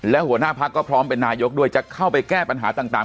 และหัวหน้าพักก็พร้อมเป็นนายกด้วยจะเข้าไปแก้ปัญหาต่าง